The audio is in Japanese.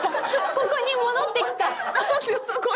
ここに戻ってきた！